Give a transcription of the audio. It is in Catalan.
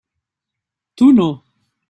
Tu no.